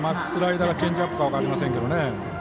スライダーかチェンジアップか分かりませんけどね。